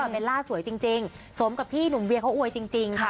เบลล่าสวยจริงสมกับที่หนุ่มเวียเขาอวยจริงค่ะ